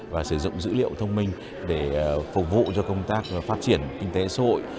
và xây dựng dữ liệu thông minh để phục vụ cho công tác phát triển kinh tế xã hội